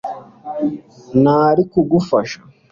Nari kugufasha